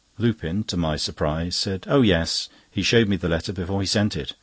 Lupin, to my surprise, said: "Oh yes. He showed me the letter before he sent it.